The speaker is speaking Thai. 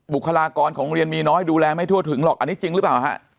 บุคลากรของโรงเรียนมีน้อยดูแลไม่ทั่วถึงหรอกอันนี้จริงหรือเปล่าฮะ